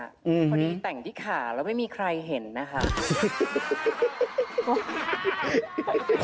พอดีแต่งที่ขาแล้วไม่มีใครเห็นนะคะ